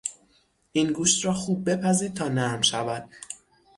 این گوشت را خوب بپزید تا نرم شود.